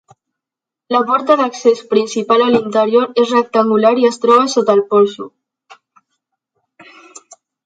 La porta d'accés principal a l'interior és rectangular i es troba sota el porxo.